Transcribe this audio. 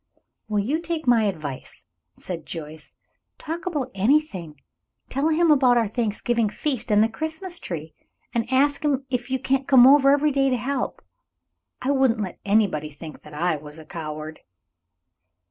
"Well, you take my advice," said Joyce. "Talk about anything. Tell him about our Thanksgiving feast and the Christmas tree, and ask him if you can't come over every day to help. I wouldn't let anybody think that I was a coward."